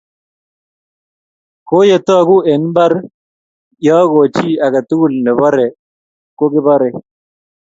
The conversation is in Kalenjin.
Ko ye toguu eng barak yoo ko chii agetugul ne boree ko keborei.